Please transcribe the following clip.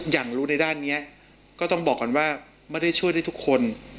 อย่างรู้ในด้านนี้ก็ต้องบอกก่อนว่าไม่ได้ช่วยได้ทุกคน